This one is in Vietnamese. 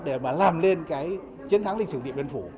để mà làm lên cái chiến thắng lịch sử điện biên phủ